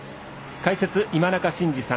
解説、今中慎二さん。